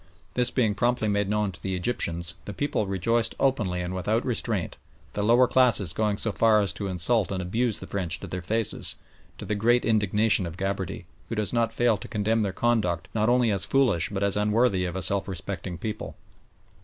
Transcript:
This being promptly made known to the Egyptians, the people rejoiced openly and without restraint, the lower classes going so far as to insult and abuse the French to their faces, to the great indignation of Gabarty, who does not fail to condemn their conduct not only as foolish but as unworthy of a self respecting people.